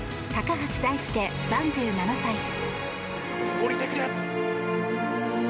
降りてくる！